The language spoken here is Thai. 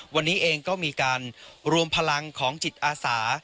วันนี้เองก็มีการรวมพลังของจิตอาสา